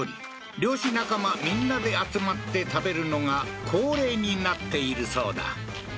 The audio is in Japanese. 猟師仲間みんなで集まって食べるのが恒例になっているそうだ